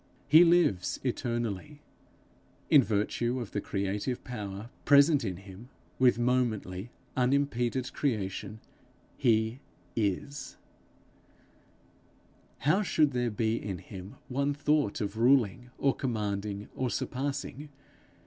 He lives eternally; in virtue of the creative power present in him with momently, unimpeded creation, he is. How should there be in him one thought of ruling or commanding or surpassing!